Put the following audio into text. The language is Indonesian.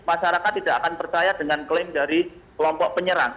masyarakat tidak akan percaya dengan klaim dari kelompok penyerang